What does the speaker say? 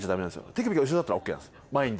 手首が後ろだったらＯＫなんすよ。